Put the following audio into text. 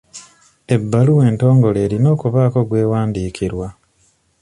Ebbaluwa entongole erina okubaako gw'ewandiikirwa.